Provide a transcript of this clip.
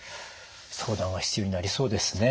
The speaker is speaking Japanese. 相談は必要になりそうですね。